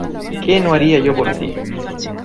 ¡ qué no haría yo por ti!...